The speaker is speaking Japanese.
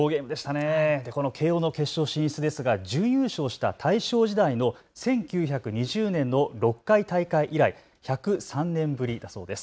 この慶応の決勝進出ですが準優勝した大正時代の１９２０年の６回大会以来１０３年ぶりだそうです。